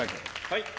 はい。